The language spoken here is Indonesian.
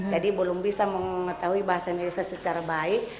jadi belum bisa mengetahui bahasa indonesia secara baik